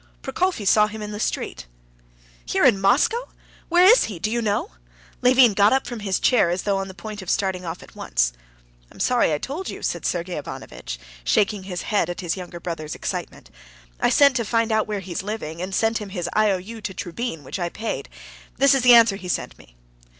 "Prokofy saw him in the street." "Here in Moscow? Where is he? Do you know?" Levin got up from his chair, as though on the point of starting off at once. "I am sorry I told you," said Sergey Ivanovitch, shaking his head at his younger brother's excitement. "I sent to find out where he is living, and sent him his IOU to Trubin, which I paid. This is the answer he sent me."